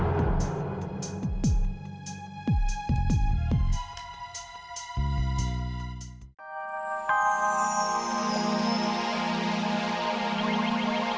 sampai jumpa di video selanjutnya